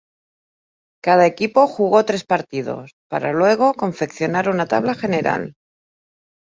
Cada equipo jugó tres partidos, para luego confeccionar una tabla general.